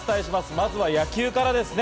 まずは野球からです。